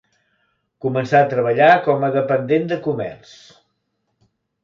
Començà a treballar com a dependent de comerç.